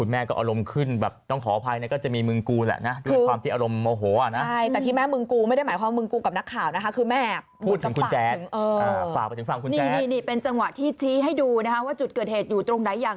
มาบ้านกูสิเนี่ย